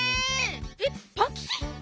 えっパンキチ？